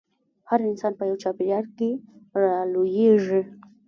هر انسان په يوه چاپېريال کې رالويېږي.